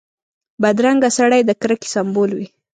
بدرنګه سړی د کرکې سمبول وي